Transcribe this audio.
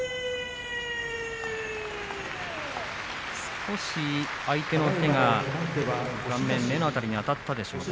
少し相手の手が顔面目の辺りに当たったでしょうか。